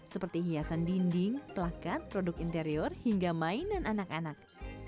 seperti hiasan dinding pelakat produk interior hingga mainan anak anak